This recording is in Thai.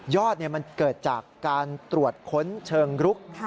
อดมันเกิดจากการตรวจค้นเชิงรุก